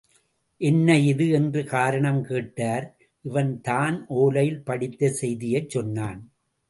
என்ன இது? என்று காரணம் கேட்டார் இவன் தான் ஒலையில் படித்த செய்தியைச் சொன்னான்.